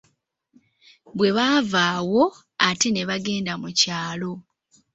Bwe baava awo, ate ne bagenda mu kyalo.